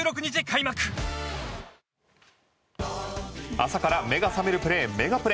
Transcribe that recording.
朝から目が覚めるプレーメガプレ。